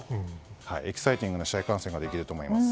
エキサイティングな試合観戦ができると思います。